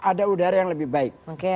ada udara yang lebih baik